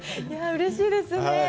いやうれしいですね。